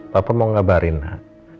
papa mau ngabarin nah